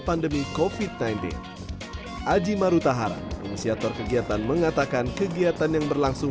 pandemi kofit sembilan belas aji marutahara inisiator kegiatan mengatakan kegiatan yang berlangsung